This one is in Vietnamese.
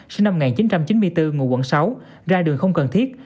sinh năm một nghìn chín trăm chín mươi bốn ngụ quận sáu ra đường không cần thiết